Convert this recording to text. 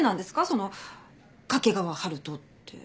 その掛川春人って。